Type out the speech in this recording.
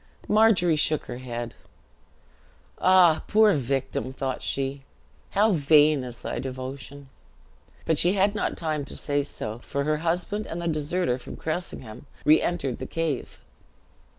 Margery shook her head. "Ah, poor victim (thought she), how vain is thy devotion!" But she had not time to say so, for her husband and the deserter from Cressingham re entered the cave.